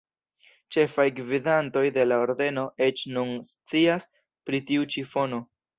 Ĉefaj gvidantoj de la Ordeno eĉ nun scias pri tiu ĉi fono.